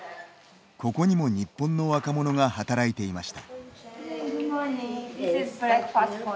ここにも日本の若者が働いていました。